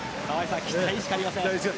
期待しかありません。